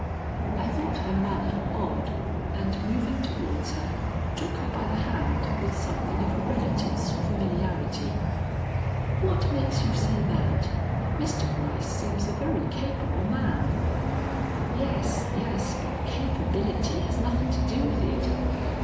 I thought her manner odd, and, moving towards her, took her by the hand with something of a relative's familiarity. "What makes you say that? Mr. Gryce seems a very capable man." "Yes, yes, but capability has nothing to do with it.